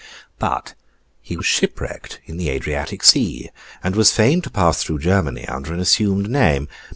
But he was shipwrecked in the Adriatic Sea, and was fain to pass through Germany, under an assumed name.